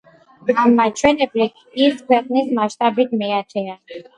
ამ მაჩვენებლით ის ქვეყნის მასშტაბით მეათეა.